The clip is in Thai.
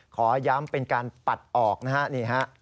ขอย้ำเป็นการปัดออกนะฮะนี่ฮะ